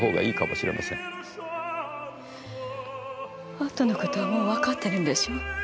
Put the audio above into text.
あとの事はもうわかってるんでしょう？